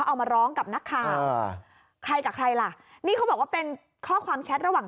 เอามาร้องกับนักข่าวใครกับใครล่ะนี่เขาบอกว่าเป็นข้อความแชทระหว่าง